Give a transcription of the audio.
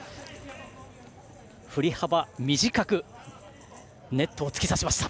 ふり幅、短くネットを突き刺しました。